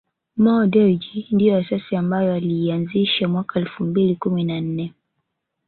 Mo Dewji ndio asasi ambayo aliianzisha mwaka elfu mbili kumi na nne